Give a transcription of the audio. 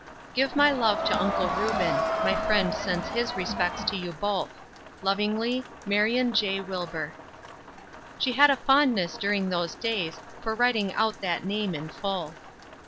Give my love to Uncle Reuben. My friend sends his respects to you both. Lovingly, "Marion J Wilbur." She had a fondness during those days, for writing out that name in full.